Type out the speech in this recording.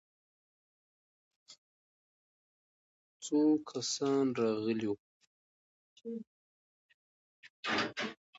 څو کسان راغلي وو؟